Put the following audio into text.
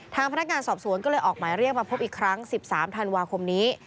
ทางพนักงานสอบสวนก็เลยออกหมายเรียกมาพบอีกครั้ง๑๓ธันวาคมนี้